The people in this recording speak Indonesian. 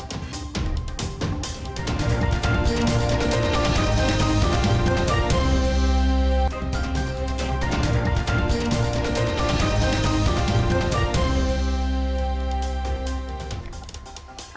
kisah kesan dari tvp